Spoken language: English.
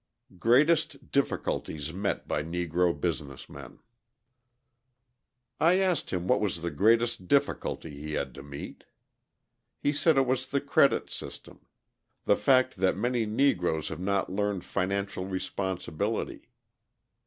Greatest Difficulties Met by Negro Business Men I asked him what was the greatest difficulty he had to meet. He said it was the credit system; the fact that many Negroes have not learned financial responsibility.